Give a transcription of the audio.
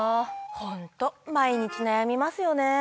ホント毎日悩みますよね。